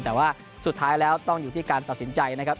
แต่ว่าสุดท้ายแล้วต้องอยู่ที่การตัดสินใจนะครับ